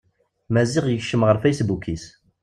Maziɣ yekcem ɣer fasebbuk-is.